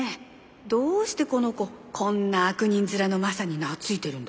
どうしてこの子こんな悪人面のマサに懐いてるんだろう。